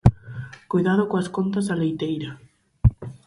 Coidado coas contas da leiteira.